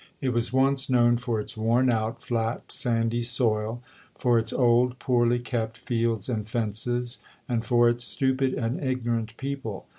It was once known for its worn out, flat, sandy soil; for its old, poorly kept fields and fences, and for its stupid and ignorant people.